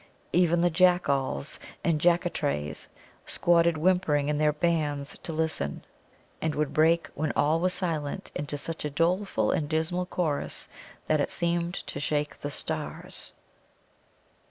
Even the Jack Alls and Jaccatrays squatted whimpering in their bands to listen, and would break when all was silent into such a doleful and dismal chorus that it seemed to shake the stars.